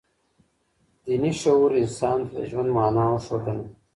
دیني شعور انسان ته د ژوند مانا وښودله.